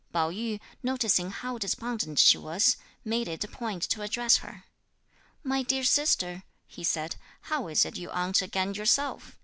Pao yü, noticing how despondent she was, made it a point to address her. "My dear sister," he said, "how is it you aren't again yourself?